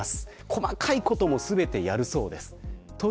細かい事も全てやるそうです。